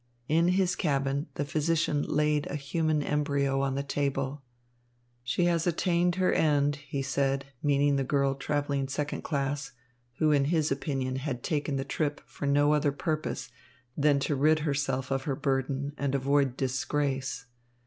In his cabin the physician laid a human embryo on the table. "She has attained her end," he said, meaning the girl travelling second class, who in his opinion had taken the trip for no other purpose than to rid herself of her burden and avoid disgrace.